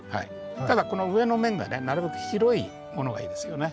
ただこの上の面がねなるべく広いものがいいですよね。